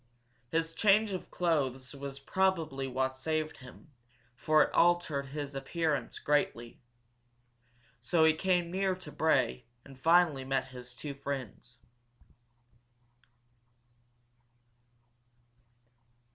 His change of clothes was probably what saved him, for it altered his appearance greatly. So he came near to Bray, and finally met his two friends.